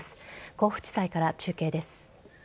甲府地裁から中継です。